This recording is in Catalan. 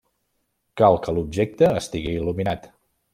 Cal que l'objecte estigui il·luminat.